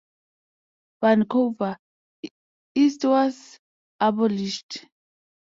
Vancouver East was abolished.